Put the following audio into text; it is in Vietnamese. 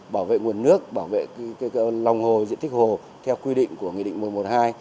bảo vệ nguồn nước bảo vệ lòng hồ diện tích hồ theo quy định của nghị định một trăm một mươi hai